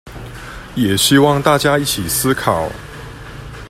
也希望大家一起思考